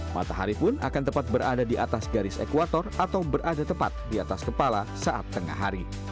matahari pun akan tepat berada di atas garis ekuator atau berada tepat di atas kepala saat tengah hari